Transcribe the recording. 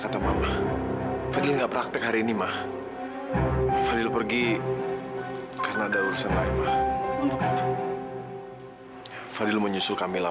sampai jumpa di video selanjutnya